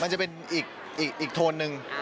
มันจะเป็นอีกโทนนึง